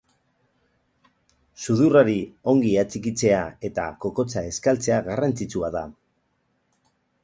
Sudurrari ongi atxikitzea eta kokotsa estaltzea garrantzitsua da.